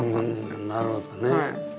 うんなるほどね。